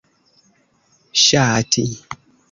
ŝati